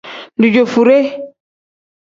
Dijoovure.